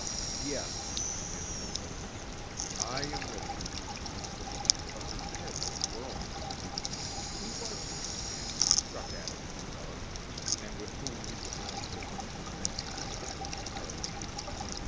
"Yes," answered Wilson, "I am with you." But his head was whirling. Who was this man who struck at him in the dark, and with whom he was now joined in an expedition against Carlina?